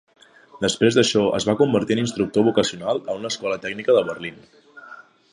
Després d'això, es va convertir en instructor vocacional en una escola tècnica de Berlín.